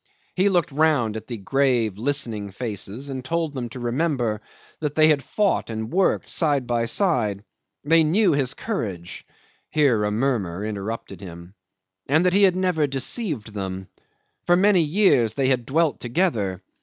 He looked round at the grave listening faces and told them to remember that they had fought and worked side by side. They knew his courage ... Here a murmur interrupted him ... And that he had never deceived them. For many years they had dwelt together.